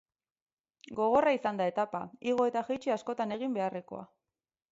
Gogorra izan da etapa, igo eta jaitsi askotan egin beharrekoa.